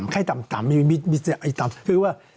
อ๋อไข้ต่ำไข้ต่ำคือว่า